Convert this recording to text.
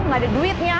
gak ada duitnya